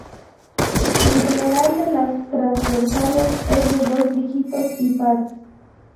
El numeral de las transversales es de dos dígitos y par.